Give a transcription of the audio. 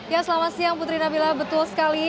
ya selamat siang putri nabila betul sekali